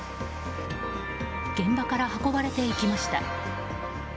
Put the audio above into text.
現場から運ばれていきました。